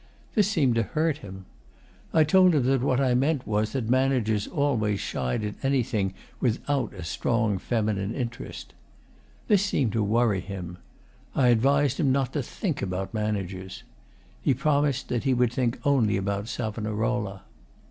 This seemed to hurt him. I told him that what I meant was that managers always shied at anything without 'a strong feminine interest.' This seemed to worry him. I advised him not to think about managers. He promised that he would think only about Savonarola.